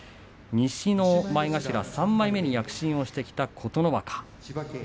西の前頭３枚目に躍進してきた琴ノ若。